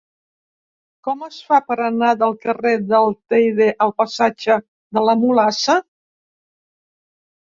Com es fa per anar del carrer del Teide al passatge de la Mulassa?